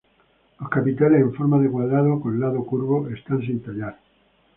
Los capiteles en forma de cuadrado con lado curvo están sin tallar.